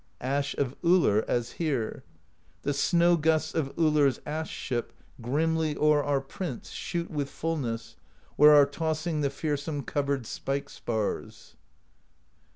Ash of Ullr, as here: The Snow Gusts of UUr's Ash Ship Grimly o'er our Prince shoot With fullness, where are tossing The fearsome covered spike spars.